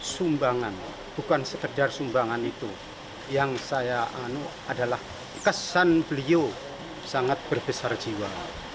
sumbangan bukan sekedar sumbangan itu yang saya anu adalah kesan beliau sangat berbesar jiwa